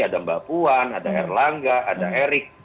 ada mbak puan ada erlangga ada erik